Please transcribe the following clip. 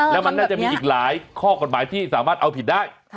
แล้วมันน่าจะมีอีกหลายข้อกฎหมายที่สามารถเอาผิดได้